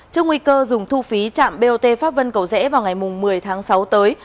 trước nguy cơ dùng thu phí trạm bot pháp vân cầu rẽ vào ngày một mươi tháng sáu tới